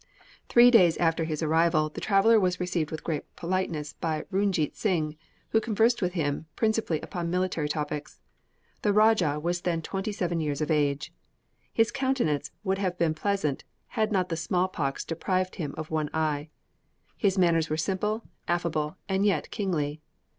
Three days after his arrival the traveller was received with great politeness by Runjeet Sing, who conversed with him, principally upon military topics. The rajah was then twenty seven years of age. His countenance would have been pleasant, had not the small pox deprived him of one eye; his manners were simple, affable, and yet kingly.